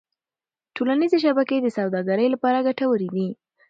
ټولنيزې شبکې د سوداګرۍ لپاره ګټورې دي.